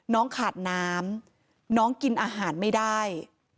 น้องขาดน้ำน้องกินอาหารไม่ได้